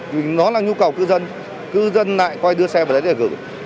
vì nó là nhu cầu cư dân cư dân lại coi đưa xe vào đấy để gửi